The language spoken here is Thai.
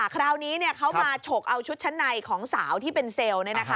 คราวนี้เขามาฉกเอาชุดชั้นในของสาวที่เป็นเซลล์